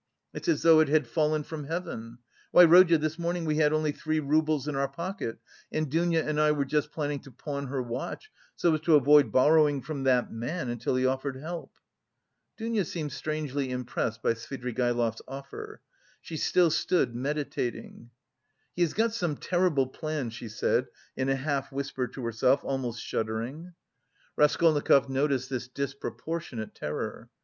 It's as though it had fallen from heaven! Why, Rodya, this morning we had only three roubles in our pocket and Dounia and I were just planning to pawn her watch, so as to avoid borrowing from that man until he offered help." Dounia seemed strangely impressed by Svidrigaïlov's offer. She still stood meditating. "He has got some terrible plan," she said in a half whisper to herself, almost shuddering. Raskolnikov noticed this disproportionate terror.